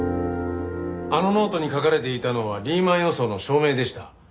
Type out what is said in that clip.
あのノートに書かれていたのはリーマン予想の証明でした。